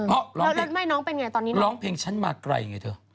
เพราะไม่น้องเป็นไงตอนนี้ร้องเพลงฉันมาไกลไงเธอ